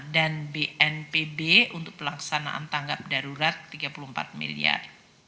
dan bnpb untuk pelaksanaan tanggap darurat tiga puluh empat miliar